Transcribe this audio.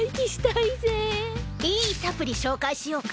いいサプリ紹介しようか？